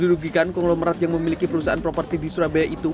dirugikan konglomerat yang memiliki perusahaan properti di surabaya itu